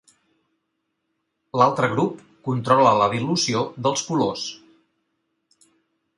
L'altre grup controla la dilució dels colors.